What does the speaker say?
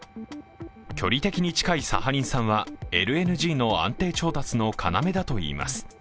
距離的に近いサハリン産はＬＮＧの安貞供給の要だといいます。